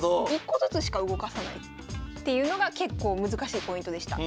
１個ずつしか動かさないっていうのが結構難しいポイントでした。